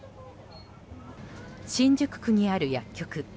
新宿区にある薬局。